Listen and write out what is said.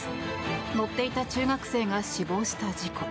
乗っていた中学生が死亡した事故。